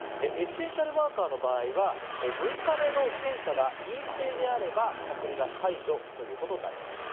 エッセンシャルワーカーの場合は６日目の検査が陰性であれば隔離が解除ということになります。